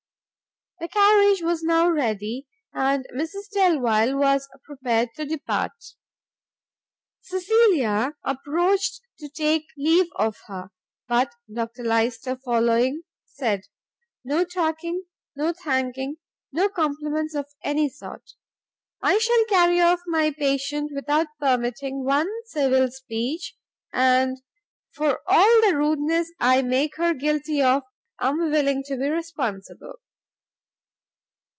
The carriage was now ready, and Mrs Delvile was prepared to depart. Cecilia approached to take leave of her, but Dr Lyster following, said "No talking! no thanking! no compliments of any sort! I shall carry off my patient without permitting one civil speech, and for all the rudeness I make her guilty of, I am willing to be responsible."